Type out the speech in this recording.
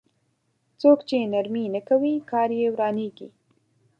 څوک چې نرمي نه کوي کار يې ورانېږي.